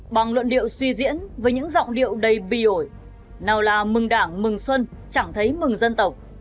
bằng luận điệu suy diễn với những giọng điệu đầy bi ổi nào là mừng đảng mừng xuân chẳng thấy mừng dân tộc